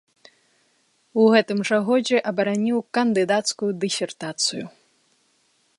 У гэтым жа годзе абараніў кандыдацкую дысертацыю.